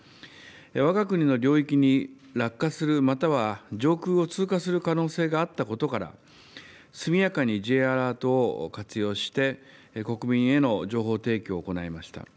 わが国の領域に落下する、または上空を通過する可能性があったことから、速やかにＪアラートを活用して、国民への情報提供を行いました。